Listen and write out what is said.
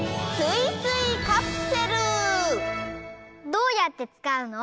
どうやってつかうの？